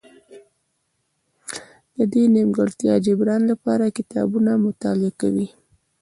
د دې نیمګړتیا جبران لپاره کتابونه مطالعه کوي.